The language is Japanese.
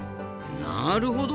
なるほど。